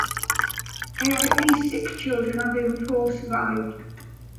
They had at least six children, of whom four survived.